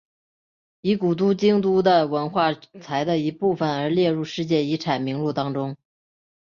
以古都京都的文化财的一部分而列入世界遗产名录当中。